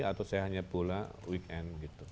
waktu saya hanya pulang weekend